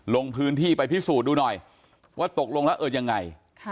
ลงพื้นที่ไปพิสูจน์ดูหน่อยว่าตกลงแล้วเออยังไง